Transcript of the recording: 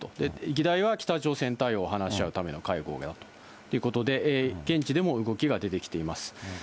議題は北朝鮮対応を話し合うための会合だということで、現地でも動きが出てきています。